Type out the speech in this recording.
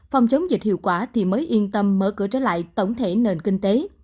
phòng chống dịch hiệu quả thì mới yên tâm mở cửa trở lại tổng thể nền kinh tế